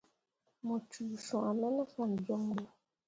Mu cuu swãme ne fan joŋ bo.